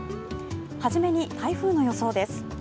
はじめに台風の予想です。